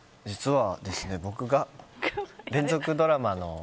実は、僕が連続ドラマの。